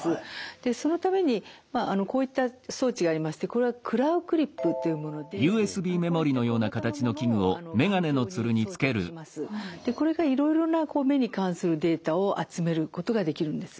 でそのためにこういった装置がありましてこれはこれがいろいろな目に関するデータを集めることができるんです。